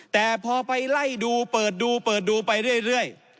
แต่พอไปไล่ดูเปิดดูเปิดดูไปเรื่อย